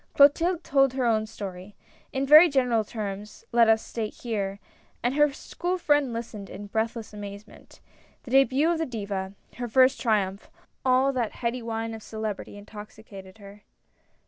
Clotilde told her own story — in very general terms, let us here state — and her school friend listened in breathless amazement. The debut of the Diva, her first triumph — all that heady wine of celebrity intoxi cated her.